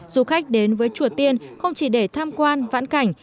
du khách đến với chùa tiên không chỉ để tham quan vãn cảnh